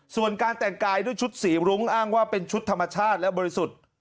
ส่วนการแต่งกายด้วยชุดสีรุ้งอ้างว่าเป็นชุดธรรมชาติและบริสุทธิ์